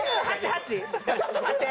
ちょっと待って。